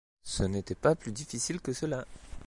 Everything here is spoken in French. Ce n’était pas plus difficile que cela !